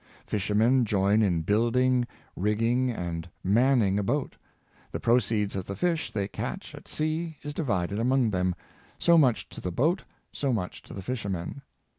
Fishermen join in building, rigging, and man ning a boat ; the proceeds of the fish they catch at sea is divided among them — so much to the boat, so much to the fishermen.